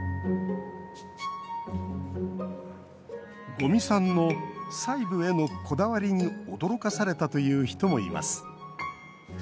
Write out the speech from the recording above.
五味さんの細部へのこだわりに驚かされたという人もいます。